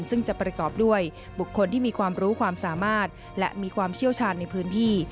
ซึ่งจะประกอบด้วยบุคคลที่มีความรู้ความสามารถและมีความเชี่ยวชาญในพื้นที่